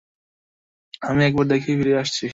আমি একবার দেখেই ফিরে আসছি।